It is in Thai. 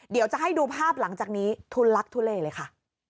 เดี๋ยวจะให้ดูภาพหลังจากนี้ทุลักทุเลเลยค่ะ